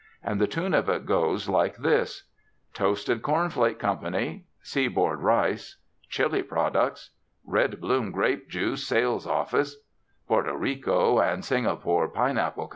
And the tune of it goes like this: "Toasted Corn Flake Co.," "Seaboard Rice," "Chili Products," "Red Bloom Grape Juice Sales Office," "Porto Rico and Singapore Pineapple Co.